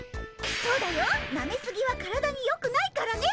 そうだよなめすぎは体によくないからね。